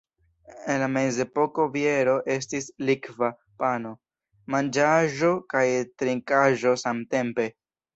En la mezepoko biero estis likva pano: manĝaĵo kaj trinkaĵo samtempe.